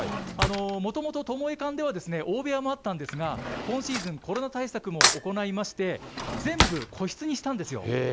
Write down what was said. もともとトモエ館では大部屋もあったんですが、今シーズン、コロナ対策も行いまして、全部個室にしたんですよ。